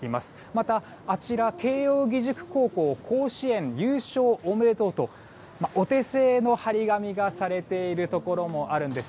またあちら、慶応義塾高校甲子園優勝おめでとうとお手製の張り紙がされているところもあるんです。